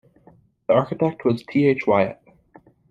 The architect was T. H. Wyatt.